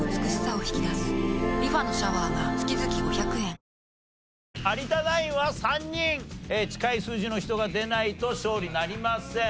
電動アシストブラシ誕生有田ナインは３人近い数字の人が出ないと勝利になりません。